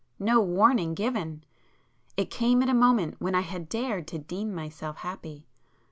No warning given!—it came at a moment when I had dared to deem myself happy.